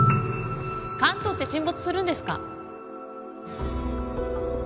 関東って沈没するんですか？